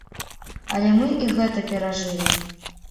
Але мы і гэта перажылі.